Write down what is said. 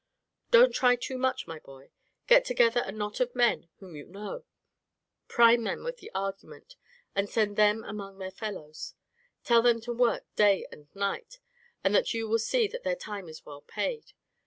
Don't try too much, my boy. Get together a knot of men whom you know; prime them with argument, and send them among their fellows. Tell them to work day and night, and that you will see that their time is well paid.